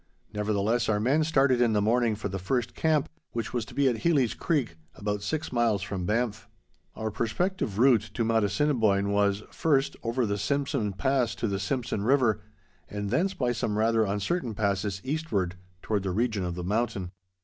Nevertheless, our men started in the morning for the first camp, which was to be at Heely's Creek, about six miles from Banff. Our prospective route to Mount Assiniboine was, first, over the Simpson Pass to the Simpson River, and thence, by some rather uncertain passes, eastward, toward the region of the mountain.